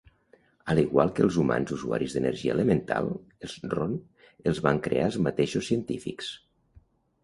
A l'igual que els humans usuaris d'energia elemental, els Ron els van crear els mateixos científics.